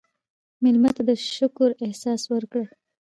مېلمه ته د شکر احساس ورکړه.